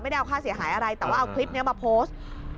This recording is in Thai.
ได้เอาค่าเสียหายอะไรแต่ว่าเอาคลิปนี้มาโพสต์